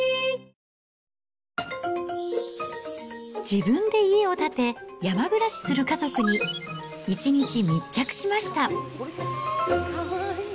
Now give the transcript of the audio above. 自分で家を建て、山暮らしする家族に、一日密着しました。